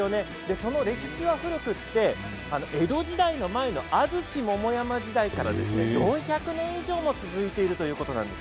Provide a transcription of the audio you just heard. その歴史は古く、江戸時代の前の安土桃山時代から４００年以上も前から続いているということなんです。